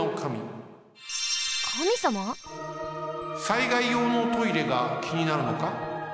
災害用のトイレがきになるのか？